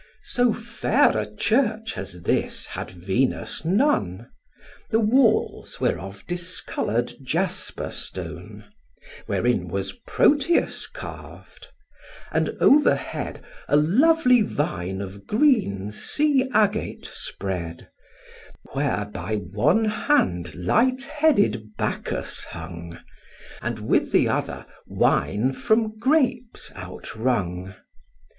So fair a church as this had Venus none: The walls were of discolour'd jasper stone, Wherein was Proteus carv'd; and over head A lively vine of green sea agate spread, Where by one hand light headed Bacchus hung, And with the other wine from grapes out wrung.